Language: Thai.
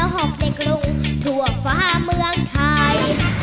เหรอคะแล้วชนะด้วย